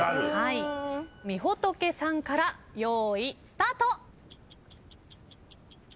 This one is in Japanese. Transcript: みほとけさんから用意スタート。